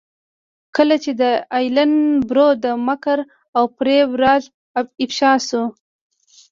کله چې د ایلن برو د مکر او فریب راز افشا شو.